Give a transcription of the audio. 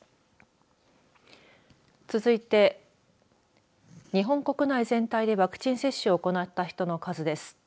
続いて日本国内全体でワクチン接種を行った人の数です。